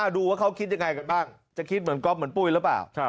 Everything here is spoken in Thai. ดูว่าเขาคิดยังไงกันบ้างจะคิดเหมือนก๊อฟเหมือนปุ้ยหรือเปล่า